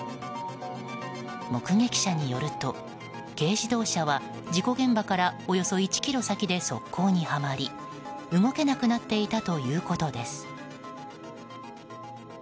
目撃者によると軽自動車は、事故現場からおよそ１ｋｍ先で側溝にはまり動けなくなっていたということです。